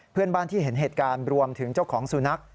เพื่อนบ้านที่เห็นเหตุการณ์รวมถึงเจ้าของสุนัข